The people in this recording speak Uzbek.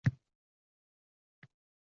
Qo‘mita sovg‘a-salomlar tayyorladi.